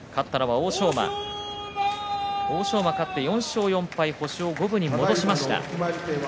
欧勝馬、勝って４勝４敗星を五分に戻しました。